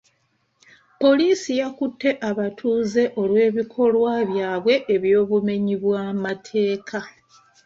Poliisi yakutte abatuuze olw'ebikolwa byabwe eby'obumenyi bw'amateeka.